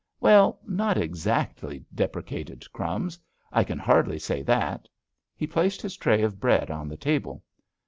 "Well, not exactly," deprecated "Crumbs." "I can hardly say that." He placed his tray of bread on the table.